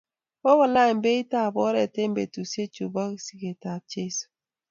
Kokolany beit ab oret eng betusiechu bo sigetab Jeiso